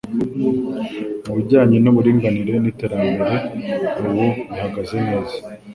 mu bijyanye n uburinganire n iterambere ubu bihagaze neza